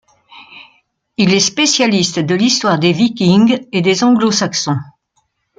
Il est spécialiste de l'histoire des Vikings et des Anglo-Saxons.